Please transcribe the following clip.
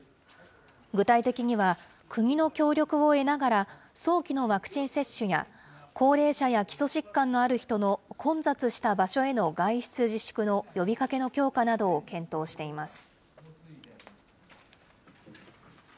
具体的には、国の協力を得ながら、早期のワクチン接種や、高齢者や基礎疾患のある人の混雑した場所への外出自粛の呼びかけの強化などを検討しています。